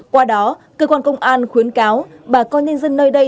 qua đó cơ quan công an khuyến cáo bà con nhân dân nơi đây